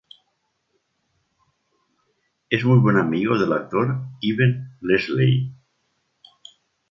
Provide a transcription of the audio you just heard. Es muy buen amigo del actor Ewen Leslie.